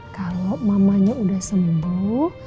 kalau mamanya sudah sembuh